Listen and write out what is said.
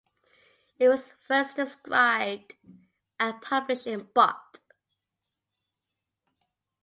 It was first described and published in Bot.